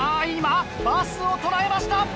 今バスを捉えました。